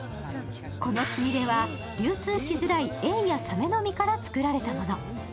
このつみれは流通しづらいエイやサメの身から作られたもの。